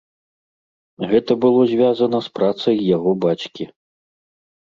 Гэта было звязана з працай яго бацькі.